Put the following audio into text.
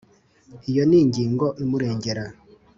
Iyi niyo ngingo imurengera.